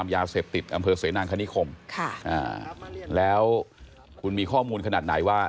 ยาเสพติดอำเภอเสนางคณิคมแล้วคุณมีข้อมูลขนาดไหนว่า